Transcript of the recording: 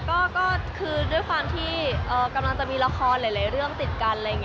ค่ะก็คือด้วยความที่กำลังจะมีละครหลายเรื่องติดกัน